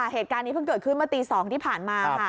เหตุการณ์นี้เพิ่งเกิดขึ้นเมื่อตี๒ที่ผ่านมาค่ะ